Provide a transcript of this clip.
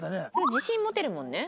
自信持てるもんね